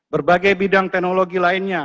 berbagai bidang teknologi lainnya